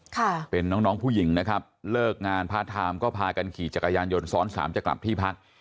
ค่ะเป็นน้องน้องผู้หญิงนะครับเลิกงานพาร์ทไทม์ก็พากันขี่จักรยานยนต์ซ้อนสามจะกลับที่พัก